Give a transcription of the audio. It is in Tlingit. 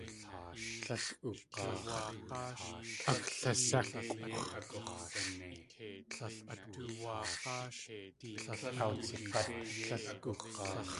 Aklasék̲ʼwx̲.